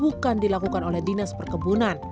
bukan dilakukan oleh dinas perkebunan